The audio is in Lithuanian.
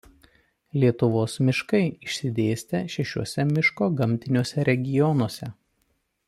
Lietuvos miškai išsidėstę šešiuose miško gamtiniuose regionuose.